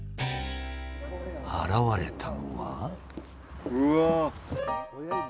現れたのは。